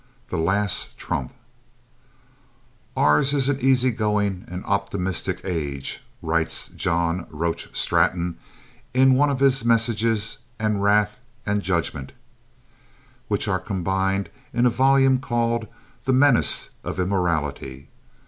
The Last Trump "Ours is an easy going and optimistic age," writes John Roach Straton in one of his "messages and wrath and judgment," which are combined in a volume called The Menace of Immorality.